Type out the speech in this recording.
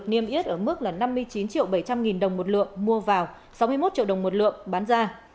sáu mươi một triệu đồng một lượng bán ra